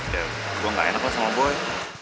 ya gue gak enak lah sama boy